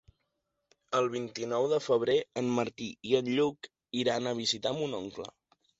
El vint-i-nou de febrer en Martí i en Lluc iran a visitar mon oncle.